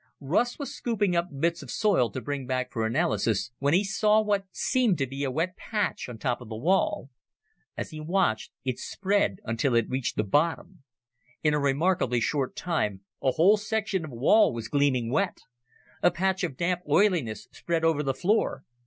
Russ was scooping up bits of soil to bring back for analysis when he saw what seemed to be a wet patch on top of the wall. As he watched, it spread until it reached the bottom. In a remarkably short time a whole section of wall was gleaming wet. A patch of damp oiliness spread over the floor.